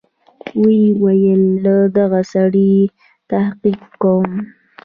ويې ويل له دغه سړي تحقيق کوم.